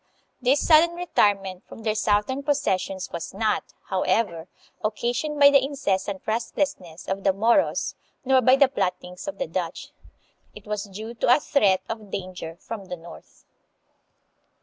This sudden retirement from their southern possessions was not, how ever, occasioned by the incessant restlessness of the Moros nor by the plottings of the Dutch. It was due to a threat of danger from the north.